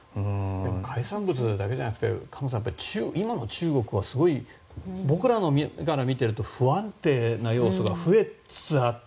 海産物だけじゃなくて今の中国はすごく僕らの目から見ていると不安定な様子が増えつつあって。